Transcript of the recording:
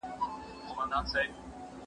زه مځکي ته کتلې دي؟!